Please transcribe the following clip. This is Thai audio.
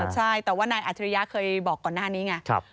ใช่แต่ว่านายอัจฉริยะเคยบอกก่อนหน้านี้ไง